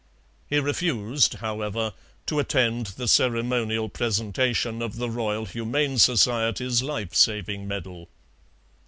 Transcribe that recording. He refused, however, to attend the ceremonial presentation of the Royal Humane Society's life saving medal.